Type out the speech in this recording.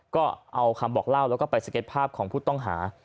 ก็เอาคำบอกเล่าแล้วก็ไปสเก็ตภาพของผู้ต้องหา